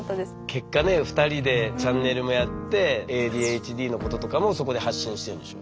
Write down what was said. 結果ね２人でチャンネルもやってＡＤＨＤのこととかもそこで発信してるんでしょ？